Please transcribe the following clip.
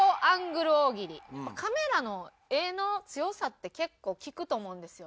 カメラの画の強さって結構効くと思うんですよ。